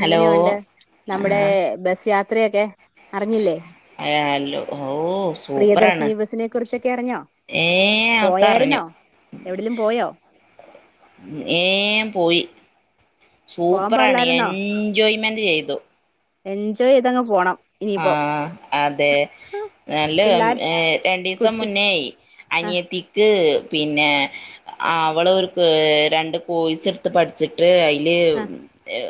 Hello എങ്ങനെയുണ്ട് നമ്മുടെ ആഹ് ബസ് യാത്രയൊക്കെ അറിഞ്ഞില്ലേ അയ ഹലോ ഓ സൂപ്പറാണ് പ്രിയദർശിനി ബസിനെ കുറിച്ചൊക്കെ അറിഞ്ഞോ ഏ ഒക്കെ അറിഞ്ഞു എവിടെലും പോയോ ഏ പോയി പോവാൻ സൂപ്പറാണ് പാടില്ലായിരുന്നോ എൻജോയ്മെന്റ് [unintelligible] ചെയ്തു എൻജോയ് ചെയ്തങ്ങ് പോണം. ഇനിയിപ്പോ ആഹ് അതെ നല്ല പിള്ളേർ ഏഹ് രണ്ടീസം കുട്ടി മുന്നേയ് ആ അനിയത്തിക്ക് പിന്നെ അവള് ഓർക്ക് ഏഹ് രണ്ട് കോയ്‌സ് എടുത്ത് പഠിച്ചിട്ട് അയി ല് ആ എ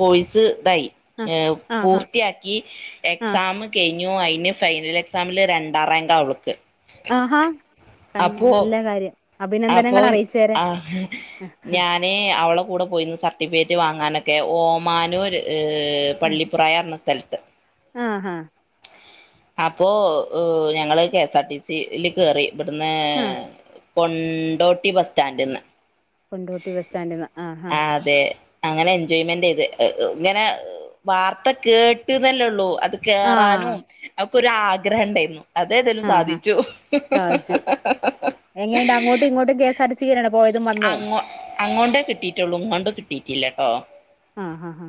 കോഴ്സ് ഇതായി ആ ഏഹ് ആ ആ പൂർത്തിയാ ക്കി ആ എക്സാമ് കെയിഞ്ഞു, അയിന് ഫൈനൽ എക്സാമില് രണ്ടാം റാങ്കാ അവള്ക്ക്. ആഹാ കണ് നല്ല കാര്യം. അപ്പോ അഭിനന്ദനങ്ങൾ അറിയിച്ചേരെ ആഹ് ഞാന് അവളെ കൂടെ പോയിന്ന് സർട്ടിഫിക്കറ്റ് റ്റ് വാങ്ങാനൊക്കെ ഓമാനൂര് ഈഹ് പള്ളിപുറായ പറഞ്ഞ സ്ഥലത്ത് ആഹ് ആഹ് അപ്പോ ഏഹ് ഞങ്ങള് K S R T C ല് കേറി ഇബട്ന്ന് ആ കൊണ്ടോട്ടി ബസ്റ്റാന്റ്ന്ന് കൊണ്ടോട്ടി ബസ്റ്റാന്റ്ന്ന് ആഹ് അതേ അങ്ങനെ എൻജോയ്മെന്റ് ചെയ്ത് ഇങ്ങനെ വാർത്ത കേട്ട്ന്നല്ലൊള്ളു. അത് ആ കേറാനും അവക്കൊരു ആഗ്രഹണ്ടായിരുന്നു. അതേതാലും ആ ഹാ സാധിച്ചു എങ്ങനെണ്ട് അങ്ങോട്ടും ഇങ്ങോട്ടും K S R T C ക്കെന്നെ പോയതും വന്നതും ളുംങ്ങോട്ട് കിട്ടിട്ടില്ലട്ടോ. ആഹ് ഹാ ഹാ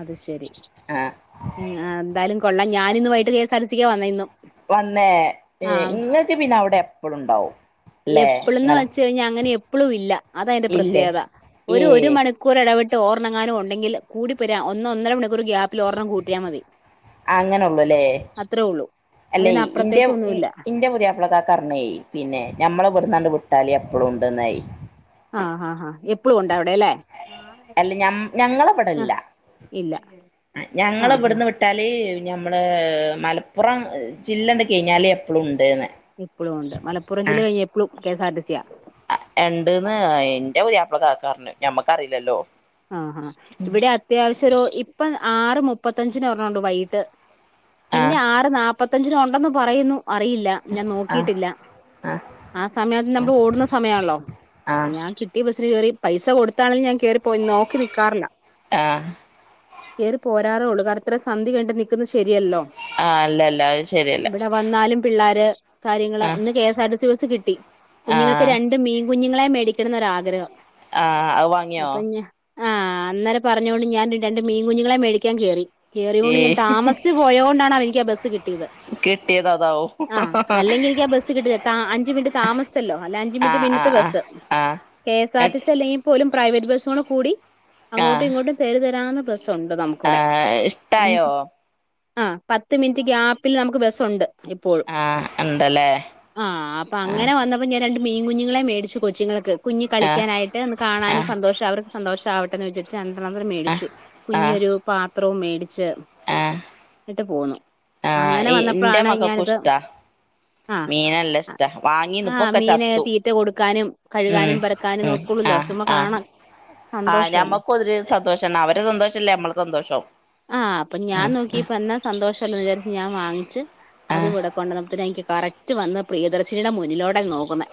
അത് ശരി ആ ഏ എന്തായാലും കൊള്ളാം ഞാനിന്ന് വൈകീട്ട് K S R T C ക്ക് വന്നെ ഇന്നും. വന്നേ ആഹ് ഇങ്ങക്ക് പിന്നെ അവിടെ എപ്പളുണ്ടാവും. എപ്പളുംന്ന് വെച്ച് കഴിഞ്ഞാ അങ്ങനെ എപ്പളും ഇല്ല അതാ അയിന്റെ ഇല്ലേ പ്പ്രത്യേകത ഏ ഒരു ഒരു മണിക്കൂർ ഇടവി ട്ടോരണ്ണങ്ങാനും ഉണ്ടങ്കിൽ കൂടിപോയാൽ ഒന്ന് ഒന്നര മണിക്കൂർ ഗ്യാപ്പിൽ ഒര്ണ്ണം കൂട്ടിയാൽ മതി. അങ്ങനൊള്ളൂലേ അത്രേ ഉള്ളൂ അല്ലെയ് ഇന്റെ ഇൻ അതിനപ്പുറത്തേക്കൊന്നുമില്ല ഇന്റെ പുതിയാപ്ലകാക്കറഞ്ഞേയ് പിന്നെ ഞമ്മള ഇവിടുന്നാണ്ട് വി ട്ടാല് എപ്പളും ഉണ്ടന്നായി ആഹ് ആഹ് ഹാ എപ്പളും ഉണ്ട അവിടെല്ലെ അല്ല ഞമ് ഞങ്ങളെവിടല്ല ഇല്ല ആഹ് ഞങ്ങള ആഹ് ഇവിടുന്ന് വിട്ടാല് ഞമ്മളേ മലപ്പുറം ജില്ലണ്ട് കഴിഞ്ഞാല് എപ്പളുംണ്ട്ന്ന്. എപ്പളും ഉണ്ട് മലപ്പുറം ജില്ല കഴിഞ്ഞ എപ്പളും. കെ എസ് ആർ ടി സിയാ. ആഹ് ണ്ട്ന്ന് എന്റെ പുതിയാപ്പള കാക്കറഞ്ഞു ഞമ്മക്കറിയില്ലല്ലോ? ആഹാ ഇവിടെ അത്യാവശ്യ ഒരു ഇപ്പം ആറ് മുപ്പത്തഞ്ചിന് ഒരെണ്ണണ്ട് വൈകിട്ട് ആ പിന്നെ ആറ് നാപത്തഞ്ചിനു ഉണ്ടെന്നു പറയുന്നു അറിയില്ല ഞാൻ ആ നോക്കിയിട്ടില്ല. ആ ആ സമയത്ത് നമ്മള് ഓടുന്ന സമയാണല്ലോ ആ ആ അപ്പൊ ഞാൻ കിട്ടിയ ബസ് കേറി പൈസ കൊടുത്താണെലും ഞാൻ കേറിപ്പോയി നോക്കി നിക്കാറില്ല. ആ കയറി പോരാറോള്ളൂ, കാരണം ഇത്രയും സന്ധ്യ കഴിഞ്ഞിട്ട് നിക്കുന്നത് ശെരിയല്ലല്ലോ അല്ലല്ല അത് ശരിയല്ല ഇവിടെ വന്നാലും പിള്ളാര് കാര്യങ്ങള് ആഹ് ഇന്ന് K S R T C bus കിട്ടി. കുഞ്ഞുങ്ങൾക്ക് ആഹ് രണ്ട് മീൻ കുഞ്ഞുങ്ങളെ മേടിക്കണന്നൊരാഗ്രഹം. ആഹ് അത് വാങ്ങ് അപ്പ ആ അന്നേര പറഞ്ഞോണ്ട് ഞാൻ രണ്ട് മീൻ കുഞ്ഞുങ്ങളെ മേടിക്കാൻ കേറി. കേറിയൊണ്ട് ഞാൻ ഏയ് താമസിച്ചു പോയൊണ്ടാണ് അവര്ക്ക് ആ ബസ്സ് കിട്ടിയത്. കിട്ടിയത് അതാവും ആഹ് അല്ലെങ്കി എനിക്ക് ആ ബസ്സ് കിട്ടില്ല താ അഞ്ച് മിനിറ്റ് താമസി ല്ലോ അല്ല അഞ്ച് മിനിറ്റ് ആഹ് ആഹ് പിന്നിത്തെ ബസ്, ആഹ് ആഹ് കെ എസ് ആർ ടി എട്ട് സി അല്ലെങ്കി പോലും പ്രൈവറ്റ് ബസ്സുടെ കൂടി അങ്ങോട്ടും ആഹ് ഇങ്ങോട്ടും തെര് തെരാന്ന് ബസ്സുണ്ട് നമുക്കൂടെ ആഹ് അഞ്ച് ഇഷ്ടായോ ആഹ് പത്ത് മിനിറ്റ് ഗ്യാപ്പില് നമുക്ക് ബസ്സുണ്ട്. എപ്പോഴും ആഹ് ഉണ്ടല്ലേ ആഹ് അപ്പൊ ആഹ് അങ്ങനെ വന്നപ്പോ ഞാൻ രണ്ട് മീൻ കുഞ്ഞുങ്ങളെ മേടിച്ചു കൊച്ചുങ്ങൾക്ക്, കുഞ്ഞ് ആഹ് കളിക്കാനായിട്ട് ഒന്ന് കാണാനും ആഹ് സന്തോഷം അവർ സന്തോഷം ആവട്ടെന്ന് വിചാരിച്ച് രണ്ടണ്ണത്തിനെ ആഹ് മേടിച്ചു, ആഹ് കുഞ്ഞൊരു പാത്രവും മേടിച്ച്. ആഹ് എന്നിട്ട് പോന്നു, ആഹ് അങ്ങനെ ഇന്റെ വന്നപ്പഴാണ് മക്കൾക്കും ഞാനിത് ഇഷ്ടാ ആഹ് മീൻ നല്ല ഇഷ്ടാ വാങ്ങീന്ന് ആഹ് ഇപ്പൊക്കെ മീന് ചത്തു തീറ്റ കൊടുക്കാനും ഉം കഴുകാനും പറക്കാനും ഉം നോക്കു ല്ലോ ആഹ് ചുമ്മാ ആഹ് കാണാ ആഹ് സന്തോഷവല്ലേ ഞമ്മക്കൊരു സന്തോഷാണ് അവരെ സന്തോഷല്ലേ നമ്മള സന്തോഷം. ആഹ് അപ്പൊ ഞാൻ ആഹ് നോക്കിപ്പോ എന്നാ സന്തോഷല്ലേന്ന് വിചാരിച്ച് ഞാൻ വാങ്ങിച്ച്, അത് ആഹ് ഇവടെ കൊണ്ടെന്നപ്പഴത്തേനും [unintelligible] കറക്റ്റ് വന്ന് പ്രിയദർശിനിയുടെ മുന്നിലോടാ നോക്കുന്നെ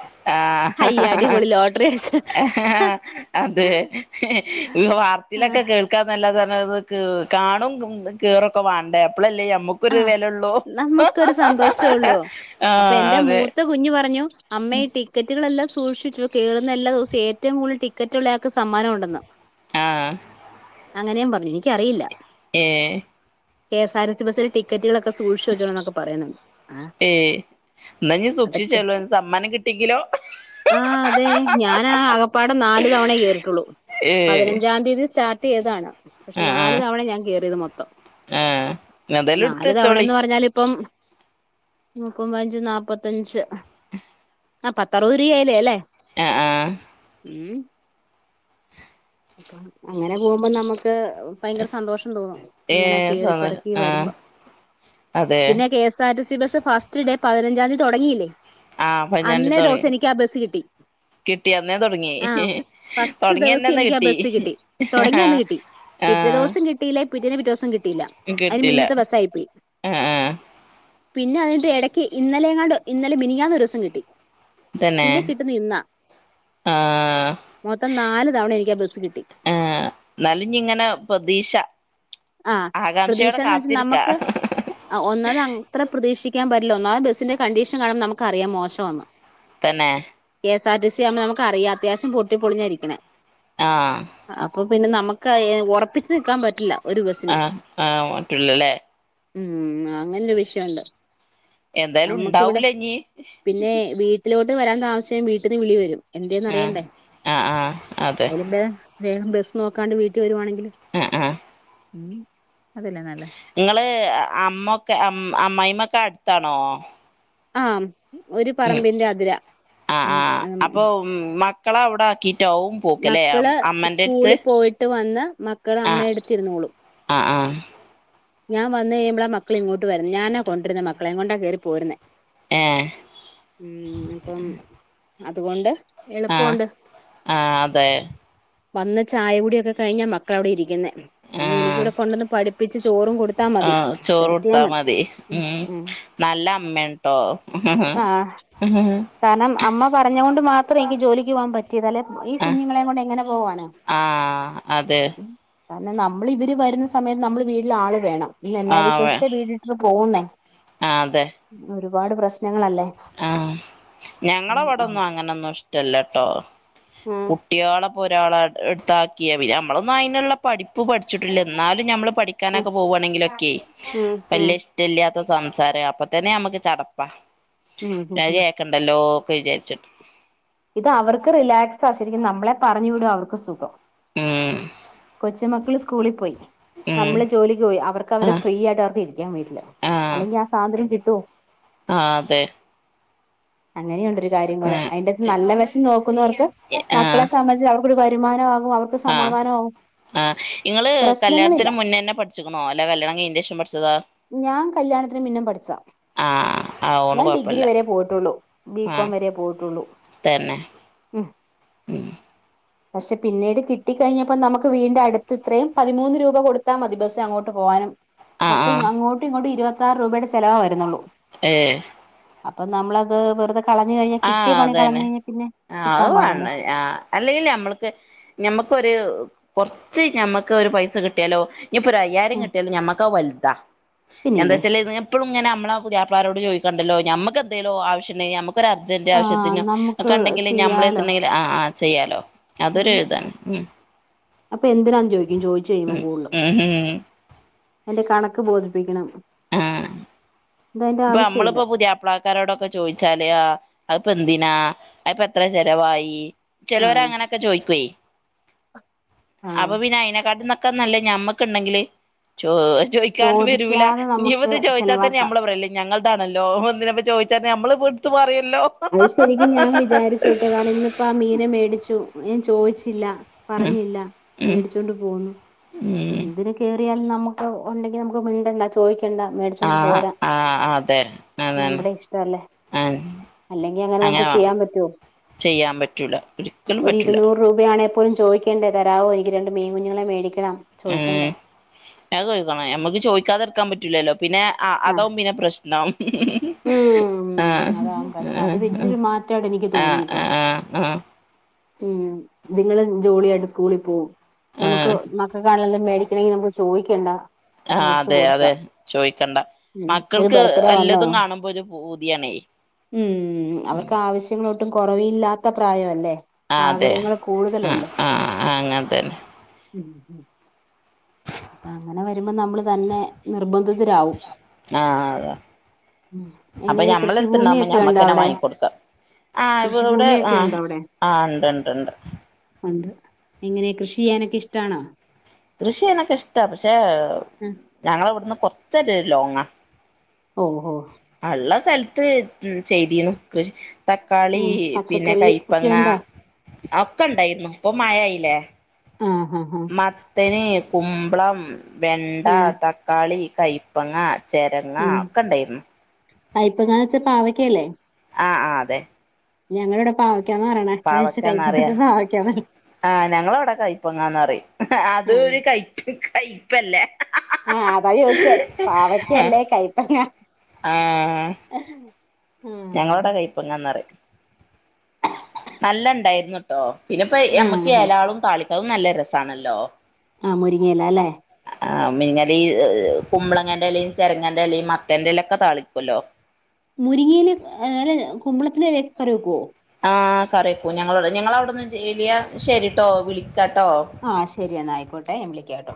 ഹയ്യ് ആഹ് അടിപൊളി ലോട്ടറി അടി അതെ ആഹ് വാർത്തയിലൊക്കെ കേൾക്കാന്നല്ലാതെ കാണും കേറൊക്കെ വാണ്ടേ അപ്പഴല്ലേ [unintelligible] നമ്മുക്കൊരു ആഹ് വെലള്ളൂ നമുക്കൊരു സന്തോഷേ ഉള്ളൂ അപ്പൊ ആഹ് എന്റെ അതെ മൂത്ത കുഞ്ഞ് പറഞ്ഞു അമ്മേ ഈ ടിക്കറ്റുകളെല്ലാം സൂക്ഷിച്ചൊ, കേറുന്ന എല്ലാ ദിവസവും ഏറ്റവും കൂടുതല് ടിക്കറ്റുള്ളയാക്ക് സമ്മാനൊണ്ടെന്ന്. ആഹ് അങ്ങനെം പറഞ്ഞു എനിക്കറിയില്ല ഏയ് കെ എസ് ആർ റ്റ് ബസിൽ ടിക്കറ്റുകളൊക്കെ സൂക്ഷ്ച്ച് വെച്ചോണൊന്നൊക്കെ പറയുന്നു ആഹ് ഏ ന്നഞ്ഞ് അതൊക്കെ സൂക്ഷിച്ചോളൂ സമ്മാനം കിട്ടിയെങ്കിലോ ആഹ് അതെ ഞാനാ ആകപ്പാടെ നാല് തവണ കേറിട്ടൊള്ളൂ ഏ പതിനഞ്ചാം തിയതി സ്റ്റാർട്ടെയ്താണ് പക്ഷെ ആഹ് നാല് ആഹ് തവണ ഞാൻ കേയറിയത് മൊത്തം ആഹ് ഏതായാലും എടുത്ത് നാല് വെച്ചോളി തവണേന്ന് പറഞ്ഞാല് ഇപ്പം [unintelligible] നാപത്തഞ്ച് ആ പത്തറുപത് രൂപായല്ലേ അല്ലേ ആഹ് ആഹ് ഉം അങ്ങനെ പോകുമ്പോ നമ്ക്ക് ഭയങ്കര സന്തോഷം തോന്നും ഏ ഇങ്ങനെ സ കേറിപ്പറക്കി ആഹ് വര്മ്പോ അതെ പിന്നെ K S R T C bus first day പതിനഞ്ചാന്തി തൊടങ്ങീല്ലേ ആഹ് പതിഞ്ഞാണ്ടി അന്നേ തൊടങ്ങി ദിവസം എനിക്ക് ആ ബസ്സ് കിട്ടി കിട്ടി അന്നേ തൊട്ങ്ങി തൊടങ്ങി ചു എനിക്കാ ബസ് കിട്ടി തൊടങ്ങന്ന് കിട്ടി പിറ്റേ ആഹ് ദിവസം കിട്ടിയില്ല പിറ്റേന്ന് പിറ്റെ ദിവസം കി ട്ടിയില്ല അയിന് കിട്ടില്ല മിന്നത്തെ ബസായിപ്പോയി ആഹ് ആഹ് പിന്നെ അതയ്ഞ്ഞ്ട്ട് എടയ്ക്ക് ഇന്നലെങ്ങാണ്ടോ ഇന്നലെ മിനിയാന്നൊരോസം കിട്ടി തന്നെ പിന്നെ കിട്ടുന്ന ഇന്നാ ആഹ് മൊത്തം നാല് തവണ എനിക്ക് ആ ബസ് കിട്ടി ആഹ് ന്നാലുഞ്ഞ്ങ്ങനെ പ്രതീശ ആഹ് പ്രതീക്ഷാന്ന് വെച്ച് നമക്ക് ഒന്നാത് അത്ര പ്രതീക്ഷിക്കാൻ പറ്റ ല്ല ഒന്നാമതെ ബസിന്റെ കണ്ടീഷൻ കാണുമ്പം നമുക്കറിയാം മോശാന്ന് തന്നെ K S R T C ആകുന്ന നമുക്കറിയാ അത്യാശം പൊട്ടിപൊളിഞ്ഞാരിക്ക്ണേ ആഹ് പിന്നെ നമ്ക്ക് ഒറപ്പിച്ച് നിക്കാ പറ്റില്ല ഒരു ബസ്സിനെ ആഹ് ആഹ് പറ്റ്ല്ല ല്ലേ ഉമ് അങ്ങനെ ഒരു വിഷയ ണ്ട് എന്തായാലും നമ്മക്കിവിടെ ഉണ്ടാവൂല ഇനി പിന്നെ വീട്ടിലോ ട്ട് വരാൻ താമസിച്ച വീട്ട്ന്ന് വിളി വരും എന്തേന്ന് ആഹ് അറിയണ്ടേ ആഹ് ആഹ് അതെ അതിലും ബേധം വേഗം ബ സ് നോക്കാണ്ട് വീട്ട് വരുവാണങ്കി അഹ് ആഹ് ഉമ് നിങ്ങള് അമ്മകൊ അമ്മായിമ്മൊക്കെ അട്ത്താണോ? ആമ് ഒരു പറമ്പിന്റെ അതിരാ ഉമ് ആമ് ക്കള അവിടാക്കി മക്കള് സ്കൂളി പോയിട്ട് വന്ന് മക്കള് ആഹ് അമ്മ എടുത്തിരുന്നോളു ആഹ് ആഹ് ഞാൻ വന്ന് കഴുമ്പളാ മക്കള് ഇങ്ങോട്ട് വര്ന്നേ ഞാനാ കൊണ്ടര്ന്നേ മക്കളെ കൊണ്ടാ കേറി പോര്ന്നേ ഏഹ് ഉം അപ്പം അതുകൊണ്ട് എളുപ്പൊണ്ട് ആ അതെ വന്ന് ചായകുടിയൊക്കെ കഴിഞ്ഞാ മക്കളാവിടെ ഇരിക്കുന്നേ പിന്നെ എനിക്കിവിടെ കൊണ്ടന്ന് പഠി ആ ചോറൊട്ത്താ മതി ഉം നല്ല അമ്മൺട്ടോ ആഹ ആഹ് കാരണം അമ്മ പറഞ്ഞൊണ്ട് മാത്രം എനിക്ക് ജോലിക്ക് പോവാൻ പറ്റിയത് അല്ലെ ഈ കുഞ്ഞുങ്ങളെ കൊണ്ട് എങ്ങനെ പോവാണ് ആഹ് അതെ കാരണം നമ്മൾ ഇവര് വരുന്ന സമയത്ത് നമ്മൾ വീട്ടില് ആള് വേണം ഇല്ല എന്നാ വിശ്വസിച്ചേ വീട്ടട്ട് പോകുന്നേ ആ അതെ ഒരുപാട് പ്രശ്നങ്ങളല്ലേ ആഹ ഞങ്ങള ഉം ആഹ് അവിടെൊന്നും അങ്ങനെൊന്നും ഇഷ്ടല്ലട്ടോ ഉം കുട്ടികളെപ്പോ ഒരാളെ എടുത്താക്കിയാ പിന്ന നമ്മളൊന്നും അതിനുള്ള പഠിപ്പ പ്പ പഠിച്ചിട്ടില്ല എന്നാലും നമ്മള് ഉം പഠിക്കാനൊക്കെ പോകുയാണെങ്കിലൊക്കെ ഉം വല്ല്യ ഇഷ്ടല്ലാത്ത സംസാരം അപ്പ തന്നെ നമ്മുക്ക് ചടപ്പാത് ഉം ഉം ഉം കേക്കണ്ടല്ലോ ഒക്കെ വിചാരിച്ചിട്ട് ഇത് അവർക്ക് റിലാക്സ് ആ ശരിക്കും നമ്മളെ പറഞ്ഞു വിട അവർക്ക് സുഖം ഉം കൊച്ച് മക്കള് സ്കൂളിൽ പോയി ഉം നമ്മള് ജോലിക്ക് പോയി അവർക്ക് ആ അവരെ ഫ്രീ ആയിട്ട് അവർക്ക് ഇരിക്കാൻ പറ്റില്ല ആ അല്ലങ്കിൽ ആ സാനിദ്യം കിട്ട ട്ടോ ആ അതെ അങ്ങനെയ ഉണ്ട ആ കാര്യങ്ങള അതിന്റെ നല്ല വശം നോക്കുന്നവർക്ക് എ- ആ മക്കളെ സംബന്ധിച്ച് അവർക്കൊരു വരുമാന അവർക്ക് സമാധാനമാ ആഹ നിങ്ങള് കല്യാണത്തിന് മുന്നേ തന്നെ പഠിച്ചിക്കണോ അല്ലെ കല്യാണം കയിഞ്ഞതിന്റെ ശേഷം പഠിച്ചതാ ഞാൻ കല്യാണത്തിന് മുന്നേ പഠിച്ചതാ ആ ആവോണ്ട് ഞാൻ ഡിഗ്രി കൊഴപ്പല്ല വരെ പോയിട്ടുള്ളു ആ ബികോം വരെ പോയിട്ടുള്ളൂ തന്നെ ഉ [unintelligible] ഉം പക്ഷെ പിന്നീട് കിട്ടിക്കഴിഞ്ഞപ്പോ നമുക്ക് വീടിന്റെ അടുത്ത് ഇത്രയും പതിമൂന്ന് രൂപ കൊടുത്താൽ മതി ബസ്സ് അങ്ങോട്ട് പോകാനും ആ ആ മൊത്തം അങ്ങോട്ടും ഇങ്ങോട്ടും ഇരുപത്താറ് രൂപയുടെ ചെലവാ വരുന്നുള്ളൂ ഏ അപ്പ നമ്മളത് വെറുതെ കളഞ്ഞ ആ കിട്ടിയപണികളഞ്ഞ അതന്നെ കഴിഞ്ഞാൽ പി ആ അതാണ് ആ അല്ലെങ്കല്ല നമ്മൾക്ക് ഞമ്മുക്കൊരു കുറച്ച് ഞമ്മക്ക് ഒരു പൈസ കിട്ടിയാലോ ഇനി പുരഅയ്യയിരം ഉം കിട്ടിയാല ഞമ്മക്കാ വലുത എന്താ പിന്നില്ലേ വെച്ചല് എപ്പഴും ഇങ്ങന നമ്മള പുതിയാപ്പളാരോട് ചോക്കണ്ടല്ലോഞമക്ക്ന്തേലോ ആവശ്യുണ്ടക്ക് ഒരു അർജന്റ് ആ ആവശ്യത്തിന് ഒക്കെ നമുക്ക് ഉണ്ടെങ്കിൽ ഞമ്മൾ ചെയ്യാലോ എടുണ്ടെങ്കിൽ ആ ആ ചെയ്യാലോ അതൊരു ഉം ഇതാണ് ഉം അപ്പൊ എന്തിനാന്ന് ചോദിക്കും ചോതിച്ച് കഴുമ്പോ ഉം കൂടുതും ഉം ഉം എന്റെ കണക്ക് ബോധിപ്പിക്കണം ആ ഇത് അതിന്റെ ഇപ്പൊ ആവശ്യമില്ല നമ്മളിപ്പോ പുതിയാപ്ലക്കാരോടൊക്കെ ചോദിച്ചാല് ആ അത് പെന്തിനാ അ പത്ര ചെലവായി ആ ചിലവർ അങ്ങനെയൊക്കെ ചോയ്ക്കുവേ ആ അപ്പൊ പിന്നെ അയനക്കാട്ന്നൊക്കെ നല്ലേ ഞമ്മക്കുണ്ടെങ്കില് ചോ ചോദിക്കാനും വരൂല ചോദിക്കാതെ ഇ നമുക്ക് ഇപ്പതന്നെ ചോദിച്ചാൽ തന്നെ ചെലവാക്ക നമ്മള് പറല്ലേ ഞങ്ങൾ ണല്ലോ എന്തിന ചോച്ചാ നമ്മ എടുത്ത് പറയോ അത് ശരിക്കും ഞാൻ വിചാരിച്ചുട്ടു കാരണം ഇന്നിപ്പോ ആ മീനെ മേടിച്ചു ഞാൻ ചോദിച്ചില്ല ഉം പറഞ്ഞില്ല ഉം മേടിച്ചോണ്ട് പോന്നു അപ്പ ഉം എന്തിന് കേറിവരണം നമുക്ക് ഉണ്ടെങ്കിൽ നമുക്ക് മിണ്ടണ്ട ചോദിക്ക ണ്ട മേടിച്ചൊണ്ട് ആഹ് പോരാ ആഹ് അതെ അതാണ് നമ്മുടെ ഇഷ്ടല്ലേ ആഹ് ഇല്ലെങ്കിൽ നമ്മക്ക് അങ്ങനെ ചെയ്യാൻ പറ്റോ ചെയ്യാൻ പറ്റൂല ഒരിക്കലും ഒരു പറ്റൂല ഇരുന്നൂറ്‌ രൂപയ ആണെപ്പോലും ചോദിക്കേണ്ട തരാമോ എനി രണ്ട്മീൻ കുഞ്ഞുങ്ങളെ മേടിക്ക ഉം അത്ചോയ്ക്കണ ഞമ്മക്ക് ചോദിക്കാതിരിക്കാൻ പറ്റൂലല്ലോ പിന്നെ ആ അതാവും പിന്നെ പ്രശ്നം ആ ഉം ആ അതാ പ്രശ്നം അത് ആ വലിയൊരു ആ മാറ്റമായിട്ട് എനിക്ക് തോന്നി ആഹ് കേട്ടോ ആഹ് ആ ഉം നിങ്ങള് ജോളിയായിട്ട് സ്കൂളിൽ പോവും ആഹ് നമുക്ക് മക്ക കാണ മേടിക്കണെങ്കിൽ നമ്മൾ ചോദിക്കേണ്ട അതെ മേടച്ചുകൊടുക്ക അതെ ചോയിക്കണ്ട ഉം ഒരു മക്കൾക്ക് ബർത്ത്ഡേ വന്നോ എല്ലതും കാണുമ്പോ ഒരു പൂതിയാണേ ഉം ഉം അവർക്ക് ആവശ്യങ്ങളൊട്ടും കുറവല്ലാത്ത പ്രായം അല്ലേ ആ അതെ ആ ആ അങ്ങനെ തന്നെ ഉം അപ്പൊ അങ്ങനെ വരുമ്പോ നമ്മൾ തന്നെ നിർബന്ധി ആ അത ഉം അപ്പൊ എങ്ങനെ ഞമ്മള അടുത്ത്ണ്ടാവകുമ്പോ കൃഷിഭൂമിയൊക്കെ ഉണ്ടോ ഞമ്മക്കനെ അവിടെ വാങ്ങിക്കൊടുക്കാം ആ ഇ ഇവിടെ ആ കൃഷിഭൂമിയൊക്കെ ഉണ്ടോ അവിടെ ആ് ഉണ്ട്ണ്ട് ഇണ്ട് [unintelligible] എങ്ങനെ കൃഷി ചെയ്യാനൊക്കെ ഇഷ്ടാണോ കൃഷിയാനൊക്കെ ഇഷ്ടാ പക്ഷെ ഞങ്ങള ഇവിടുന്ന് കൊറച്ചരു ലോങ്ങാ ഓ ഓ ഉള്ള സ്ഥലത്ത് ചെയ്തിന്നുകൃഷി തക്കാളി ഉം പിന്നെ പച്ചക്കറി ഒക്കെ കൈപ്പങ്ങ ഉണ്ടോ ഒക്കെ ഇണ്ടായിരുന്നു ഇപ്പൊ മായായില്ലേ ആഹ് ആ ആ പിന്നെകുമ്പളം വെണ്ട ആഹ് തക്കാളി കയപ്പങ്ങ ചേരങ്ങാ ഒക്കെ ഉണ്ടായിന്നു കയിപ്പങ്ങാ വെച്ചാ ൽപാവക്ക അല്ലേ ആ ആ അതെ ഞങ്ങൾ ഇവിടെ പാവക്കാന്ന് പറയണ് കൈപ്പ പാവക്കാന്നറിയാ ക്കപാവക്ക ആഹ് ഞങ്ങളവിടെ കയ്പങ്ങാന്ന് പറയും അതു ഒരു കയ്പല്ലേ ആ അതാ ചോദിച്ചേ പാവക്കല്ലേ കയപ്പങ്ങ ആ ഞങ്ങളോട കൈപ്പങ്ങാന്നപറി നല്ല ഇണ്ടായിരുന്നു ട്ടോ പിന്നെപ്പോ നമ്മക്ക് ആഹ് ഏലാളും താളിക്ക അത് നല്ല രസമാണല്ലോ ആ മുരിങ്ങ ഇലഅല്ലെ ആ മീൻകറികുമ്പളങ്ങന്റെ ഇല ചെരങ്ങന്റെ ഇല മത്തന്റെ ഇല ഒക്കെ താളിക്കല്ലോ മുരിങ്ങയില കുമ്പളത്തിലൊക്കെ കറി വെക്കുവോ ആ കറി വെക്കൂ ഞങ്ങള ഞങ്ങളെ അവിടെന്ന് ചലിയ ശരി കേട്ടോ വിളി ആഹ് ശരിയ എന്നാ ആയിക്കോട്ടെ വിളിക്ക കേട്ടോ